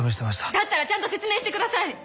だったらちゃんと説明してください。